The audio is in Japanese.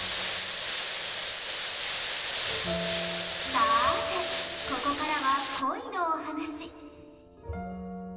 さてここからは恋のお話。